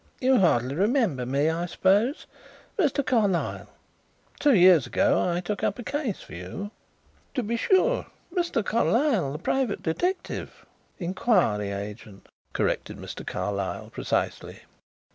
"You hardly remember me, I suppose? Mr. Carlyle two years ago I took up a case for you " "To be sure. Mr. Carlyle, the private detective " "Inquiry agent," corrected Mr. Carlyle precisely.